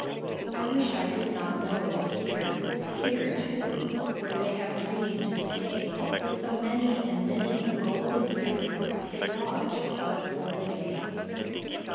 I wish I did not know that here, Here too where they have dreamed to stay So many and many a golden year They lodge but for a day.